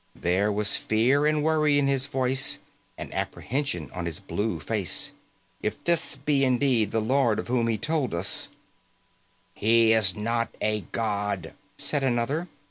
There was fear and worry in his voice and apprehension on his blue face. "If this be indeed the Lord of whom he told us " "He is not a god," said another.